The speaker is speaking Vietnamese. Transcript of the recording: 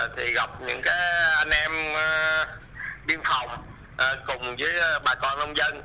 thì gặp những anh em biên phòng cùng với bà con nông dân